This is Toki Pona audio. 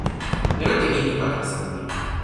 jan ante kin li pakala sama ni.